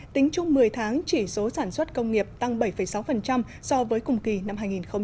tính chung một mươi tháng chỉ số sản xuất công nghiệp tăng bảy sáu so với cùng kỳ năm hai nghìn một mươi chín